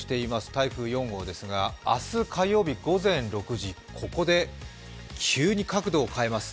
台風４号ですが、明日火曜日午前６時、ここで急に角度を変えます。